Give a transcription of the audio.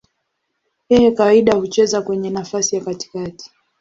Yeye kawaida hucheza kwenye nafasi ya katikati.